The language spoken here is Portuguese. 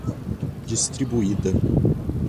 Distribuída